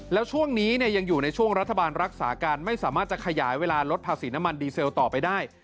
แล้วช่วงนี้ยังอยู่ในช่วงรัฐบาลรักษาการไม่สามารถจะขยายเวลาลดภาษีน้ำมันดีเซลต่อไปได้